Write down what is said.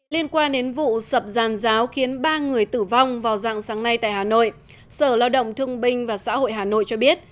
liên quan đến vụ sập giàn giáo khiến ba người tử vong vào dạng sáng nay tại hà nội sở lao động thương binh và xã hội hà nội cho biết